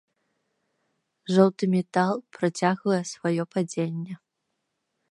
Жоўты метал працягвае сваё падзенне.